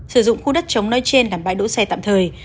sử dụng khu đất trống nói trên làm bãi đổi xe tạm thời